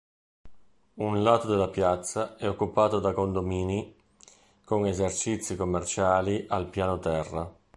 Un lato della piazza è occupato da condomini con esercizi commerciali al piano terra.